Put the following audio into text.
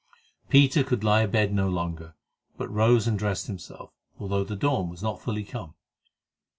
Peter could lie abed no longer, but rose and dressed himself, although the dawn was not fully come.